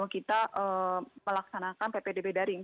kita melaksanakan ppdb daring